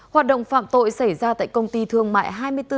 hoạt động phạm tội xảy ra tại công ty thương mại hai mươi bốn h